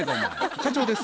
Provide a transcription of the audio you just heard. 社長です。